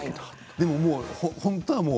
でも、本当はもう。